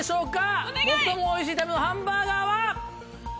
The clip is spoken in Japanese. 最もおいしい食べ物ハンバーガーは？